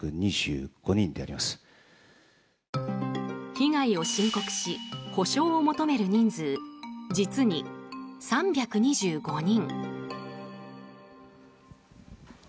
被害を申告し補償を求める人数実に３２５人。